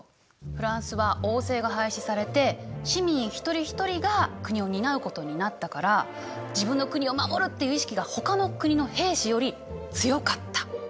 フランスは王政が廃止されて市民一人一人が国を担うことになったから自分の国を守るっていう意識がほかの国の兵士より強かった。